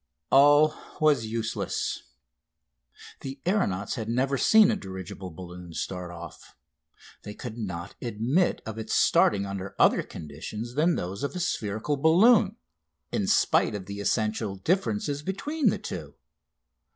All was useless. The aeronauts had never seen a dirigible balloon start off. They could not admit of its starting under other conditions than those of a spherical balloon, in spite of the essential difference between the two.